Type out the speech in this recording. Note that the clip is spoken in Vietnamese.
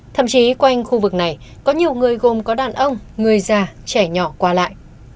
thậm chí quanh khu vực này có nhiều người gồm có đàn ông người già trẻ nhỏ qua lại